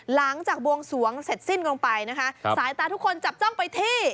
หลังจากบวงสวงเสร็จสิ้นลงไปนะคะสายตาทุกคนจับจ้องไปที่